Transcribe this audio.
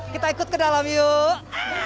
kita ikut ke dalam yuk